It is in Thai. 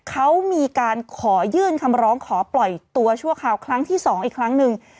เขามีการขอยื่นคำร้องขอปล่อยตัวชั่วคราวครั้งที่๒อีกครั้งหนึ่ง